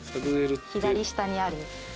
左下にある。